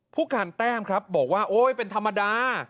ผู้การแต้มครับบอกว่าโอ๊ยเป็นธรรมดา